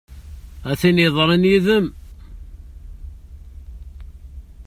A tin yeḍran yid-m!